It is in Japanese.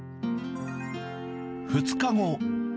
２日後。